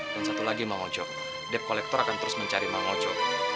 dan satu lagi mang ojo dep kolektor akan terus mencari mang ojo